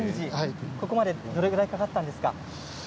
どれぐらいかかったんですか？